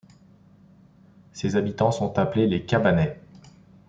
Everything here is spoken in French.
Ses habitants sont appelés les Cabannais.